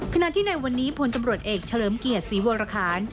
ขณะที่ในวันนี้พลตำรวจเอกเฉลิมเกียรติศรีวรคาร